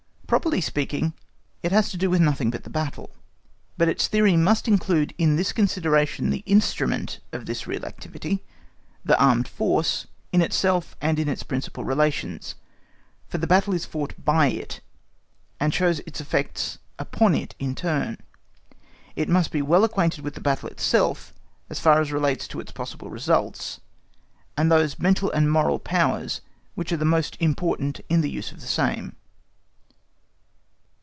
Properly speaking it has to do with nothing but the battle, but its theory must include in this consideration the instrument of this real activity—the armed force—in itself and in its principal relations, for the battle is fought by it, and shows its effects upon it in turn. It must be well acquainted with the battle itself as far as relates to its possible results, and those mental and moral powers which are the most important in the use of the same.